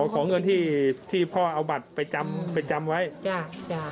ของเงินที่ที่พ่อเอาบัตรไปจำไปจำไว้จ้ะจ้ะ